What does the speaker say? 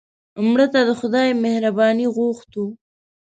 مړه ته د خدای مهرباني غوښتو